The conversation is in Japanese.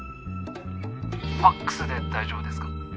ファクスで大丈夫ですか？